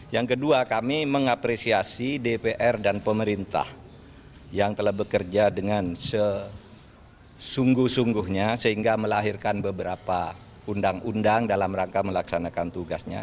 yang kedua kami mengapresiasi dpr dan pemerintah yang telah bekerja dengan sesungguh sungguhnya sehingga melahirkan beberapa undang undang dalam rangka melaksanakan tugasnya